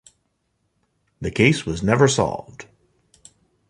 The case was never solved.